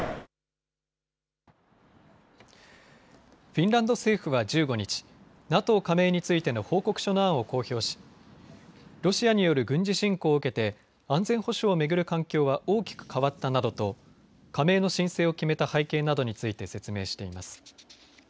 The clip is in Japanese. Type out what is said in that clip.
フィンランド政府は、１５日ＮＡＴＯ加盟についての報告書の案を公表しロシアによる軍事侵攻を受けて安全保障を巡る環境は大きく変わったなどと加盟の申請を決めた背景などについて説明しています。